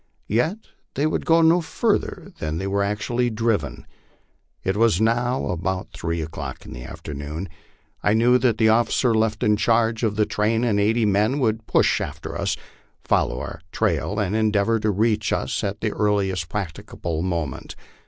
Yet they would go no further than they were actually driven. It was now about three o'clock in the afternoon. I knew that the officer left in charge of the train and eighty men would push after us, follow our trail, and endeavor to reach us at the earliest practicable moment.